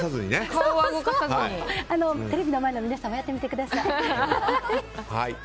テレビの前の皆さんもやってみてください。